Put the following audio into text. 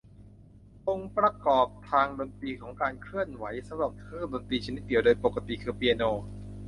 องค์ประกอบทางดนตรีของการเคลื่อนไหวสำหรับเครื่องดนตรีชนิดเดี่ยว โดยปกติคือเปียโน